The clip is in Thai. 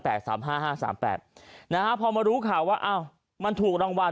แปดสามห้าห้าสามแปดนะฮะพอมารู้ข่าวว่าอ้าวมันถูกรางวัล